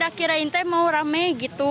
ya udah kirain teh mau rame gitu